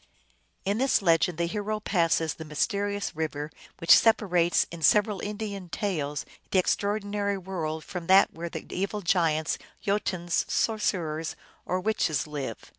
In this legend the hero passes the mysterious river which separates in several Indian tales the ordinary world from that where the evil giants, Jotuns, sor cerers, or witches live.